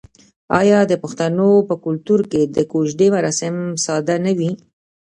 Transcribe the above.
آیا د پښتنو په کلتور کې د کوژدې مراسم ساده نه وي؟